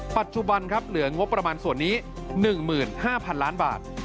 ปัจจุบันครับเหลืองบประมาณส่วนนี้๑๕๐๐๐ล้านบาท